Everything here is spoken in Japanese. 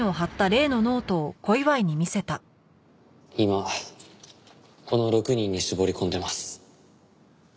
今この６人に絞り込んでます。